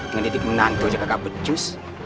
ngeditik menahan kau ya kakak pecus